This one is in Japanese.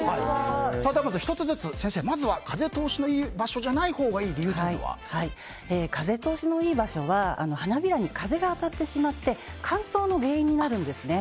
まず１つずつ先生まずは風通しのいい場所じゃ風通しのいい場所は花びらに風が当たってしまって乾燥の原因になるんですね。